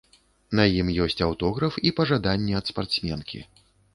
На ім ёсць аўтограф і пажаданне ад спартсменкі.